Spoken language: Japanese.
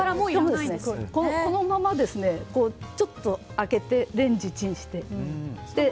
このままちょっと開けてレンジでチンして。